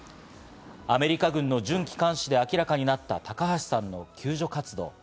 アメリカ軍の準機関誌で明らかになった高橋さんの救助活動。